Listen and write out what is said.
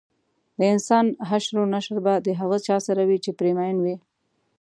دانسان حشر او نشر به د هغه چا سره وي چې پرې مین وي